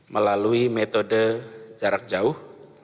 melalui metode jarak jauh